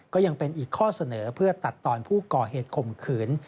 ก็ยังเป็นอีกข้อเสนอเพื่อตัดตอนผู้ก่อเหตุข่มขืน